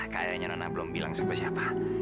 kayaknya nona belum bilang sama siapa